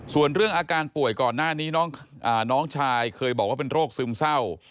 ส่วนเรื่องอาการป่วยก่อนหน้านี้น้องชายเคยบอกว่าเป็นโรคซึมเศร้า